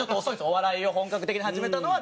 お笑いを本格的に始めたのは。